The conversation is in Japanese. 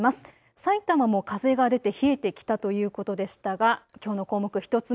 さいたまも風が出て冷えてきたということでしたがきょうの項目